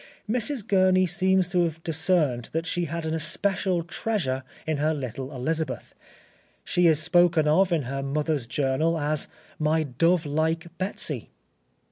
Mrs. Gurney seems to have discerned that she had an especial treasure in her little Elizabeth. She is spoken of in her mother's journal as "my dove like Betsy."